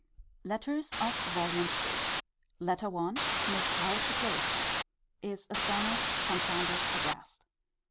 LETTERS OF VOLUME III LETTER I. Miss Howe to Clarissa. Is astonished, confounded, aghast.